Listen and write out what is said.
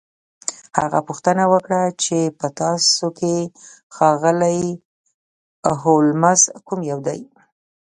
هغه پوښتنه وکړه چې په تاسو کې ښاغلی هولمز کوم یو دی